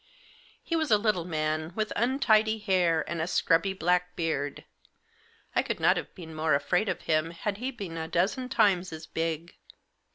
He was a little man, with untidy hair and a scrubby black beard. I could not have been more afraid of him if he had been a dozen times as big.